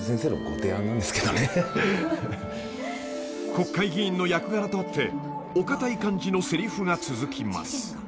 ［国会議員の役柄とあってお堅い感じのせりふが続きます］